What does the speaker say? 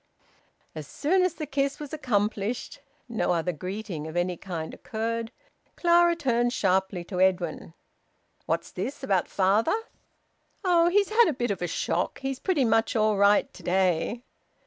As soon as the kiss was accomplished no other greeting of any kind occurred Clara turned sharply to Edwin "What's this about father?" "Oh! He's had a bit of a shock. He's pretty much all right to day."